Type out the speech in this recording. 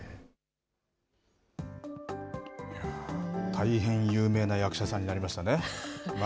大変有名な役者さんになりましたね。